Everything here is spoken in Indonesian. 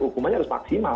hukumannya harus maksimal